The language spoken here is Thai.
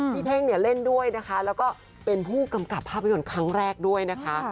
เท่งเนี่ยเล่นด้วยนะคะแล้วก็เป็นผู้กำกับภาพยนตร์ครั้งแรกด้วยนะคะ